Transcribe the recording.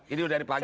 ini dari pagi nih